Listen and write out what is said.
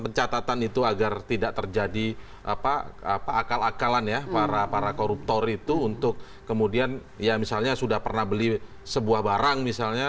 pencatatan itu agar tidak terjadi akal akalan ya para koruptor itu untuk kemudian ya misalnya sudah pernah beli sebuah barang misalnya